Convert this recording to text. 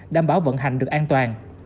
đảm bảo vận hành được an toàn